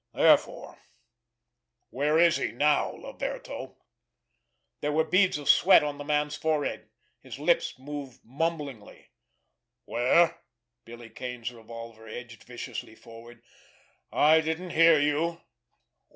Therefore, where is he now—Laverto?" There were beads of sweat on the man's forehead. His lips moved mumblingly. "Where?" Billy Kane's revolver edged viciously forward. "I didn't hear you!"